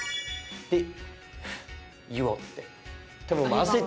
で「フゥ言おう」って。